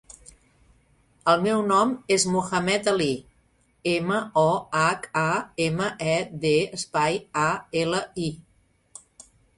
El meu nom és Mohamed ali: ema, o, hac, a, ema, e, de, espai, a, ela, i.